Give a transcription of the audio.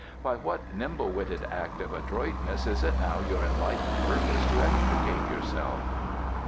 By what nimble witted act of adroitness is it now your enlightened purpose to extricate yourself?"